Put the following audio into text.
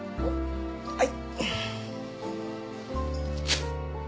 はい。